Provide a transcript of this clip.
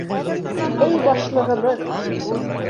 — Эй башлығыбыҙ!